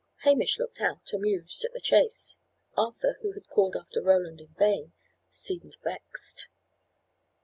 Hamish looked out, amused, at the chase; Arthur, who had called after Roland in vain, seemed vexed.